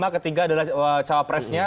ke tiga adalah cawapresnya